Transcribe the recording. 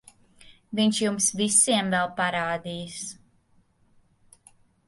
Viņš jums visiem vēl parādīs...